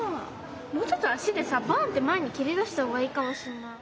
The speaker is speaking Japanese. もうちょっと足でさバンッて前にけり出したほうがいいかもしんない。